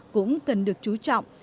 cũng cần được chú trọng